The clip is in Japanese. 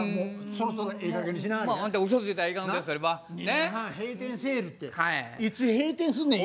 ２年半閉店セールっていつ閉店すんねん？」